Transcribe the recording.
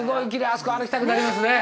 あそこ歩きたくなりますね。